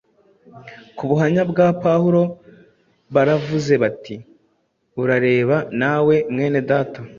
Ku buhamya bwa Pawulo baravuze bati: “Urareba, nawe mwene Data,